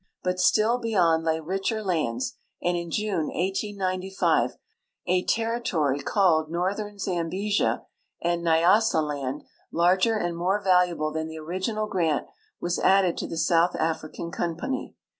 But still beyond lay richer lands, and in June, 1895, a territory called Northern Zambesia and N3^assaland, larger and more val uable than the original grant, was added to the South African Company.